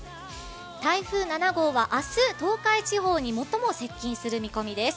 台風７号は明日、東海地方に最も接近する見込みです。